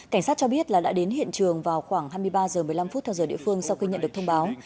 cảnh sát cho biết là đã đến hiện trường vào khoảng hai mươi ba h một mươi năm theo giờ địa phương sau khi nhận được thông báo